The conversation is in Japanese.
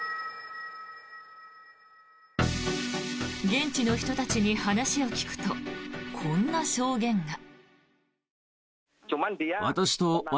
現地の人たちに話を聞くとこんな証言が。